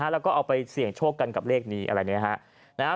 แล้วก็เอาไปเสี่ยงโชคกันกับเลขนี้อะไรนะครับ